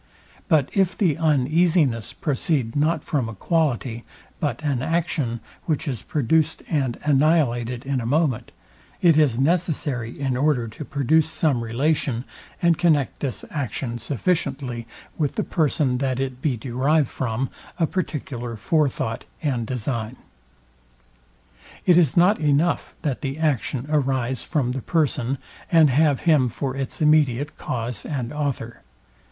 But if the uneasiness proceed not from a quality, but an action, which is produced and annihilated in a moment, it is necessary, in order to produce some relation, and connect this action sufficiently with the person, that it be derived from a particular fore thought and design. It is not enough, that the action arise from the person, and have him for its immediate cause and author.